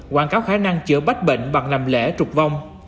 quảng cáo khả năng chữa bách bệnh bằng làm lễ trục vong